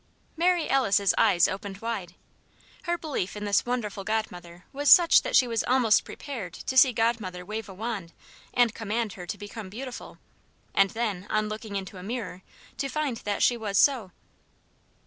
Mary Alice's eyes opened wide. Her belief in this wonderful Godmother was such that she was almost prepared to see Godmother wave a wand and command her to become beautiful and then, on looking into a mirror, to find that she was so.